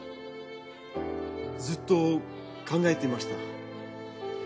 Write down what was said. ずっと考えていました。